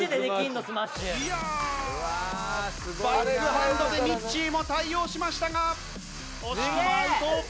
いやあバックハンドでみっちーも対応しましたが惜しくもアウト！